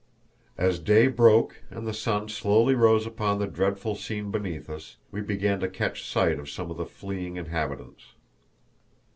As day broke and the sun slowly rose upon the dreadful scene beneath us, we began to catch sight of some of the fleeing inhabitants.